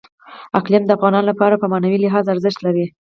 اقلیم د افغانانو لپاره په معنوي لحاظ ارزښت لري.